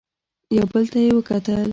يو بل ته يې وکتل.